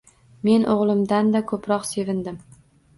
Men oʻgʻlimdanda koʻproq sevindim